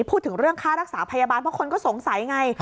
พูดถึงเรื่องค่ารักษาพยาบาลเพราะคนก็สงสัยไง